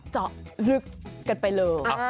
เจ้าครึกผลไปเลย